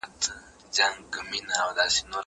زه مخکي کتابونه ليکلي وو؟